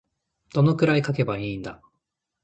どれくらい書けばいいんだ。